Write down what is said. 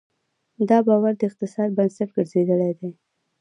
دا باور د اقتصاد بنسټ ګرځېدلی دی.